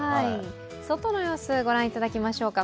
外の様子ご覧いただきましょうか。